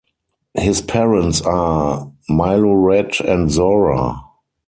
His parents are Milorad and Zora.